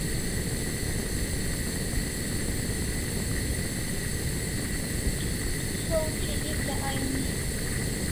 Saw thi eta aini e?